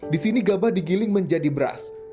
di sini gabah digiling menjadi beras